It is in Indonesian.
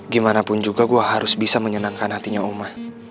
gimanapun juga gue harus bisa menyenangkan hatinya oma